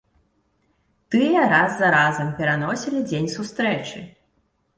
Тыя раз за разам пераносілі дзень сустрэчы.